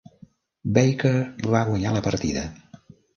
Baker va guanyar la partida.